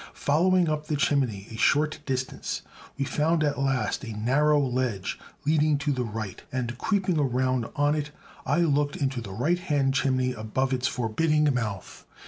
Following up the chimney a short distance, we found at last a narrow ledge leading to the right, and, creeping around on it, I looked into the right hand chimney above its forbidding mouth.